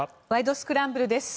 スクランブル」です。